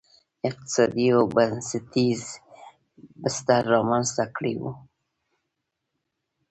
اقتصادي او بنسټي بستر رامنځته کړی و.